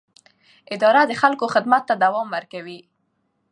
اداره د خلکو خدمت ته دوام ورکوي.